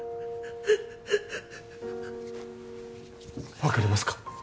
分かりますか？